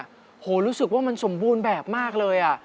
โอ้โหรู้สึกว่ามันสมบูรณ์แบบมากเลยอ่ะ